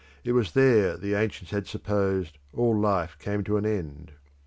It was there the ancients had supposed all life came to an end.